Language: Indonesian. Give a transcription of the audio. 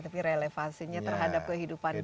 tapi relevasinya terhadap kehidupan kita